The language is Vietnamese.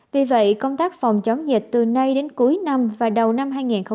vì vậy công tác phòng chống dịch từ nay đến cuối năm và đầu năm hai nghìn hai mươi